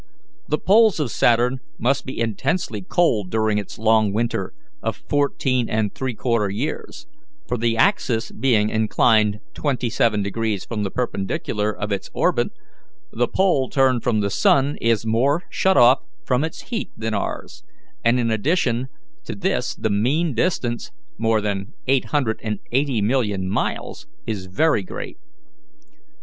"The poles of Saturn must be intensely cold during its long winter of fourteen and three quarter years, for, the axis being inclined twenty seven degrees from the perpendicular of its orbit, the pole turned from the sun is more shut off from its heat than ours, and in addition to this the mean distance more than eight hundred and eighty million miles is very great.